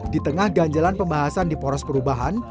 di tengah ganjalan pembahasan di poros perubahan